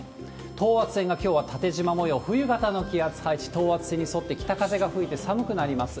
等圧線がきょうは縦じま模様、冬型の気圧配置、等圧線に沿って北風が吹いて寒くなります。